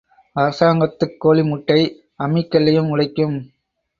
அரசாங்கத்துக் கோழிமுட்டை அம்மிக் கல்லையும் உடைக்கும்.